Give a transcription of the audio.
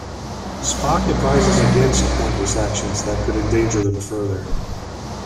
Spock advises against pointless actions that could endanger them further.